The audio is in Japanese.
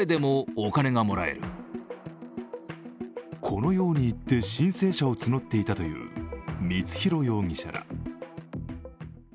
このように言って申請者を募っていたという光弘容疑者ら。